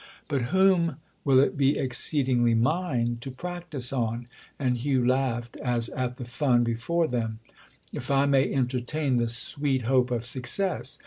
"But whom it will be exceedingly mine to practise on"—and Hugh laughed as at the fun before them—"if I may entertain the sweet hope of success.